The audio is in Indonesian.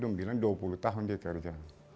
belum bilang dua puluh tahun dikerja